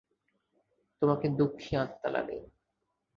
তোমাকে দুঃখী আত্মা লাগে।